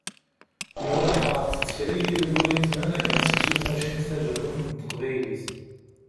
Nwala tɛerḍeḍ kra n yilguritmen akken ad tegzu tmacint tajerrumt n teqbaylit.